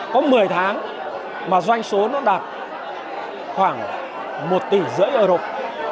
có một mươi tháng mà doanh số nó đạt khoảng một tỷ rưỡi ở rộng